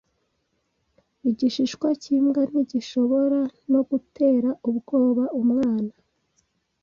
Igishishwa cyimbwa ntigishobora no gutera ubwoba umwana.